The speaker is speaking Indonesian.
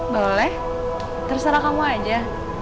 boleh terserah kamu aja